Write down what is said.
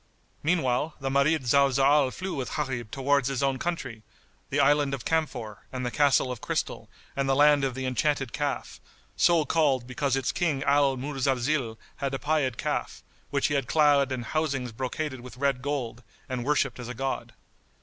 Meanwhile, the Marid Zalzal flew with Gharib towards his own country, the Island of Camphor and the Castle of Crystal and the Land of the Enchanted Calf, so called because its King Al Muzalzil, had a pied calf, which he had clad in housings brocaded with red gold, and worshipped as a god.